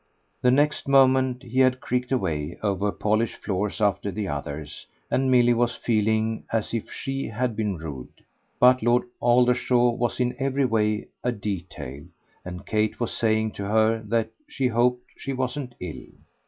The next moment he had creaked away over polished floors after the others and Milly was feeling as if SHE had been rude. But Lord Aldershaw was in every way a detail and Kate was saying to her that she hoped she wasn't ill.